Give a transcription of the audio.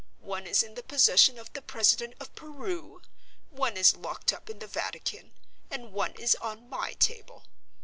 One is in the possession of the President of Peru; one is locked up in the Vatican; and one is on My table.